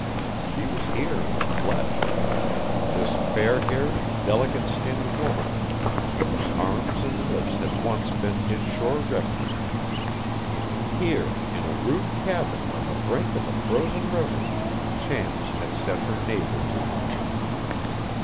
She was here in the flesh, this fair haired, delicate skinned woman whose arms and lips had once been his sure refuge. Here, in a rude cabin on the brink of a frozen river, chance had set her neighbor to him.